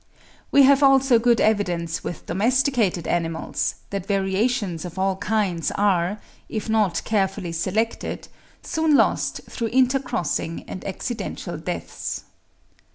We have also good evidence with domesticated animals, that variations of all kinds are, if not carefully selected, soon lost through intercrossing and accidental deaths.